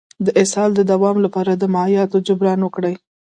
د اسهال د دوام لپاره د مایعاتو جبران وکړئ